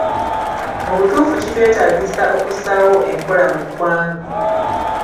Mu butuufu kitwetaagisa okussaawo enkola mu ggwanga